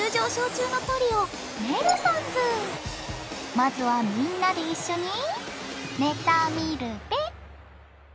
まずはみんなで一緒にネタみるべ！